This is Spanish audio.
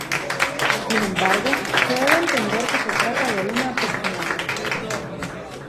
Sin embargo se debe entender que se trata de una aproximación.